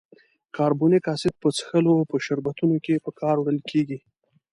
کاربونیک اسید په څښلو په شربتونو کې په کار وړل کیږي.